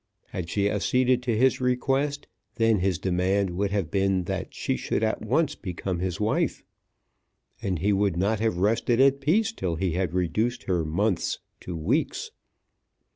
Had she acceded to his request, then his demand would have been that she should at once become his wife, and he would not have rested at peace till he had reduced her months to weeks.